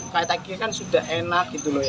kayaknya kan sudah enak gitu loh ya